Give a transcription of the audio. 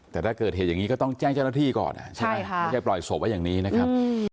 แต่ถ้าเกิดเหตุอย่างนี้ก็ต้องแจ้งเจ้าหน้าที่ก่อนใช่ไหมไม่ใช่ปล่อยศพไว้อย่างนี้นะครับ